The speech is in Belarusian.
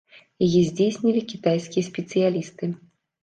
Яе здзейснілі кітайскія спецыялісты.